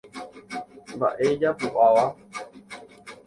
Mba'e ijapu'áva.